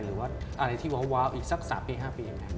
หรือว่าอะไรที่ว้าวอีกสัก๓ปี๕ปียังไง